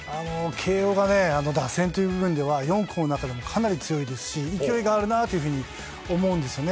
慶応がね、打線という部分では、４校の中でもかなり強いですし、勢いがあるなというふうに思うんですよね。